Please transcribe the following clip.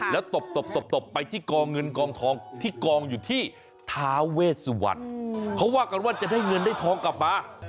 แล้วตบตบไปที่กองเงินกองทองที่กองอยู่ที่ท้าเวสวัสดิ์เขาว่ากันว่าจะได้เงินได้ทองกลับมา